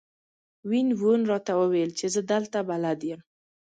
وین وون راته وویل چې زه دلته بلد یم.